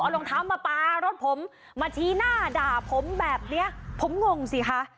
รองเท้ามาปลารถผมมาชี้หน้าด่าผมแบบนี้ผมงงสิคะ